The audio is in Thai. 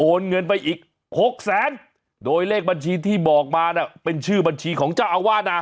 เงินไปอีกหกแสนโดยเลขบัญชีที่บอกมาน่ะเป็นชื่อบัญชีของเจ้าอาวาสนะ